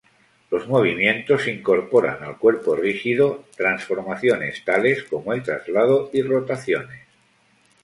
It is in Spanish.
Los movimientos incorporan al cuerpo rígido transformaciones tales como el traslado y rotaciones.